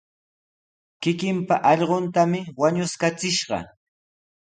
Kikinpa allquntami wañuskachishqa.